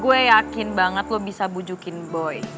gue yakin banget lo bisa bujukin boy